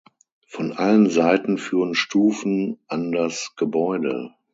Von allen Seiten führen Stufen an das Gebäude.